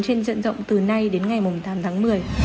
trên diện rộng từ nay đến ngày tám tháng một mươi